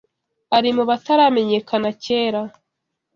Ari mubataramenyekana cyera)